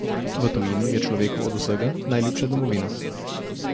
V tujini je človeku od vsega najljubša domovina.